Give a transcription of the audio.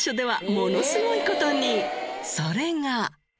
それが。